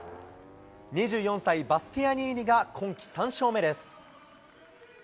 ２４歳、バスティアニーニが今季３勝目です。